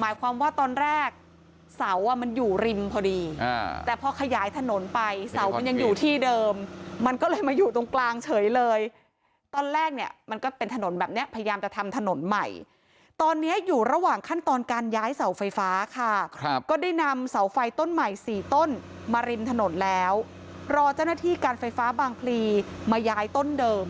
หมายความว่าตอนแรกเสาอ่ะมันอยู่ริมพอดีอ่าแต่พอขยายถนนไปเสามันยังอยู่ที่เดิมมันก็เลยมาอยู่ตรงกลางเฉยเลยตอนแรกเนี่ยมันก็เป็นถนนแบบเนี้ยพยายามจะทำถนนใหม่ตอนเนี้ยอยู่ระหว่างขั้นตอนการย้ายเสาไฟฟ้าค่ะครับก็ได้นำเสาไฟต้นใหม่สี่ต้นมาริมถนนแล้วรอเจ้าหน้าที่การไฟฟ้าบางพลีมาย้ายต้นเดิม